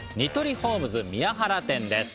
ホームズ宮原店です。